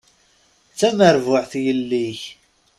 D tamerbuḥt yelli-k.